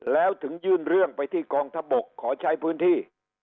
แล้วถึงยื่นเรื่องไปที่กองทบกขอใช้พื้นที่